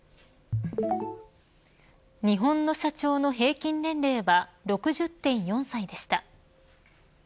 日本の社長の平均年齢は６０．４歳でした。